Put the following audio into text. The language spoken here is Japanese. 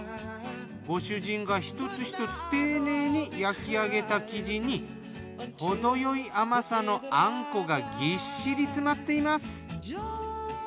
ご主人が一つひとつ丁寧に焼き上げた生地にほどよい甘さのあんこがぎっしりつまっています。